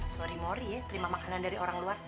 sorry mory ya terima makanan dari orang luar